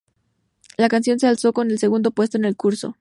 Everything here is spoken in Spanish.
La canción se alzó con el segundo puesto en el concurso.